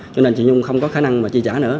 cho nên chị nhung không có khả năng mà chi trả nữa